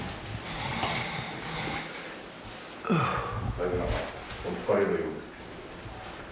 だいぶなんかお疲れのようですね。